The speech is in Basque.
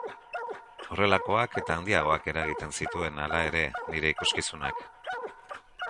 Horrelakoak eta handiagoak eragiten zituen, hala ere, nire ikuskizunak.